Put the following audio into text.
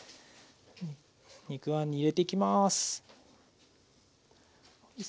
肉あんに入れていきます。